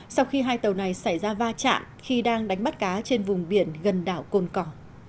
sau khi hai tàu này xảy ra va chạm khi đang đánh bắt cá trên vùng biển gần đảo cồn cỏ